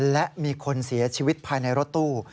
และมีคนเสียชีวิตภายในรถตู้